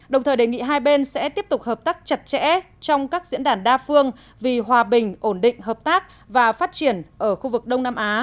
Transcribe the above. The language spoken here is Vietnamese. đồng thời đề nghị hai bên sẽ tiếp tục hợp tác chặt chẽ trong các diễn đàn đa phương vì hòa bình ổn định hợp tác và phát triển ở khu vực đông nam á